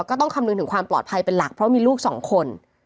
ก็ต้องคำนึงถึงความปลอดภัยเป็นหลักเพราะมีลูกสองคน